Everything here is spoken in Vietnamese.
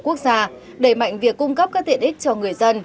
quốc gia đẩy mạnh việc cung cấp các tiện ích cho người dân